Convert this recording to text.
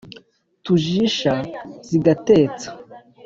tujisha zigatetsa.